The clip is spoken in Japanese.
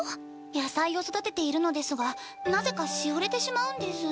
野菜を育てているのですがなぜかしおれてしまうんです。